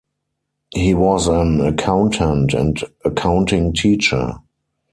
He was an accountant and accounting teacher.